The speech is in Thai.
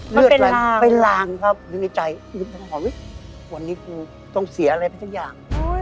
มันเป็นร่างเป็นร่างครับอยู่ในใจวันนี้กูต้องเสียอะไรไปทั้งอย่าง